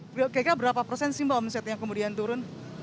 kayaknya berapa persen sih mbak omsetnya kemudian turun